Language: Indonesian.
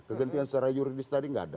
kegentingan secara yuridis tadi nggak ada